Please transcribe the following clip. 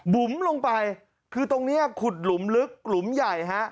บุ๋มลงไปคือตรงนี้ขุดหลุมลึกหลุมใหญ่ฮะ